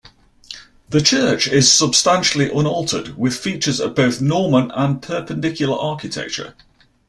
The church is substantially unaltered, with features of both Norman and Perpendicular architecture.